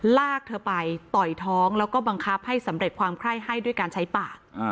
ลากเธอไปต่อยท้องแล้วก็บังคับให้สำเร็จความไคร้ให้ด้วยการใช้ปาก